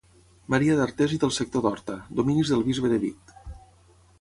Maria d'Artés i del Sector d'Horta, dominis del bisbe de Vic.